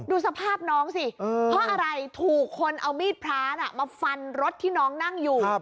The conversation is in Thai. ดูสภาพน้องสิเพราะอะไรถูกคนเอามีดพระมาฟันรถที่น้องนั่งอยู่